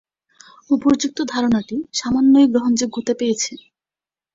উপর্যুক্ত ধারণাটি সামান্যই গ্রহণযোগ্যতা পেয়েছে।